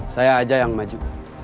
saya aja yang maju